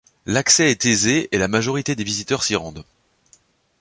L'accès est aisé et la majorité des visiteurs s'y rendent.